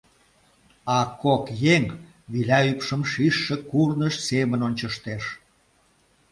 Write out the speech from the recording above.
А кок еҥ виля ӱпшым шижше курныж семын ончыштеш.